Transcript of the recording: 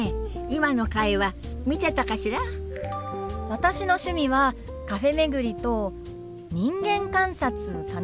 私の趣味はカフェ巡りと人間観察かな。